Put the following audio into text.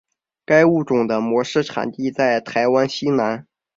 该物种的模式产地在台湾西南。